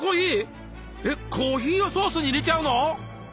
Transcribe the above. えっコーヒーをソースに入れちゃうの？